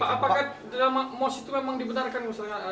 apakah mos itu memang dibutarkan